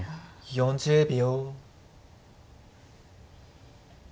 ４０秒。